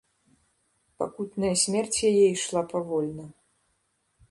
Пакутная смерць яе ішла павольна.